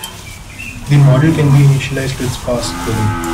The model can be initialized with sparse coding.